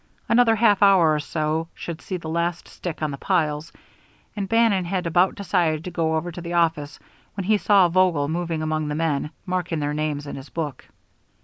Another half hour or so should see the last stick on the piles, and Bannon had about decided to go over to the office when he saw Vogel moving among the men, marking their time in his book.